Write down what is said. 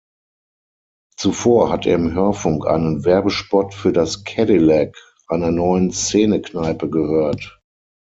Zuvor hat er im Hörfunk einen Werbespot für das "Cadillac", einer neuen Szene-Kneipe, gehört.